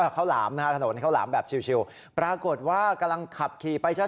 เข้าหลามนะเข้าหลามแบบเฉลปรากฏว่ากำลังขับขี่ไปช้า